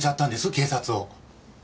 警察を。